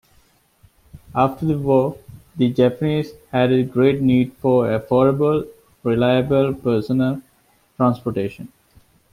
After the war, the Japanese had a great need for affordable, reliable personal transportation.